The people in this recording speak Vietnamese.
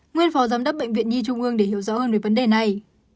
nguyên phó giám đốc bệnh viện nhi trung ương để hiểu rõ hơn về vấn đề này